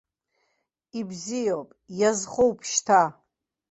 Ибзиоуп, иазхоуп шьҭа!